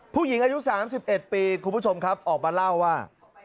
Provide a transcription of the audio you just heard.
ผู้หญิงอายุ๓๑ปีคุณผู้ชมครับออกมาเล่าว่า